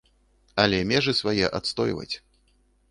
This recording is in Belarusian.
Але межы свае адстойваць.